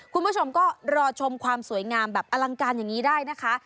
คุณผู้ชมก็รอชมความสวยงามแบบอลังการอย่างนี้ได้นะคะ